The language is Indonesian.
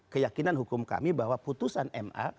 keyakinan hukum kami bahwa putusan ma